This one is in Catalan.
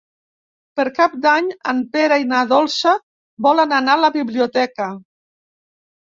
Per Cap d'Any en Pere i na Dolça volen anar a la biblioteca.